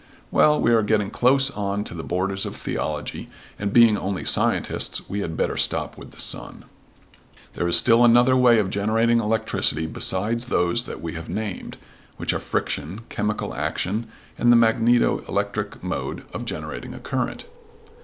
Well, we are getting close on to the borders of theology, and being only scientists we had better stop with the sun. There is still another way of generating electricity besides those that we have named; which are friction, chemical action, and the magneto electric mode of generating a current.